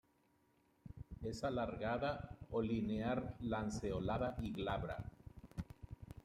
Es alargada o linear-lanceolada y glabra.